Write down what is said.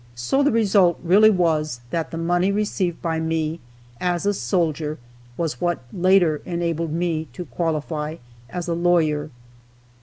So the result really was that the money received by me, as a soldier, was what later enabled me to qualify as a lawyer.